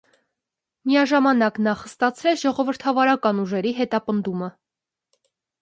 Միաժամանակ նա խստացրեց ժողովրդավարական ուժերի հետապնդումը։